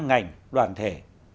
ngành đoàn thể